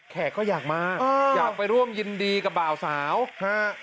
แขกก็อยากมาอยากไปร่วมยินดีกับบ่าวสาวฮะ